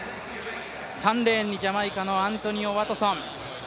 ３レーンにジャマイカのアントニオ・ワトソン。